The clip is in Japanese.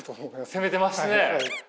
攻めてましたね！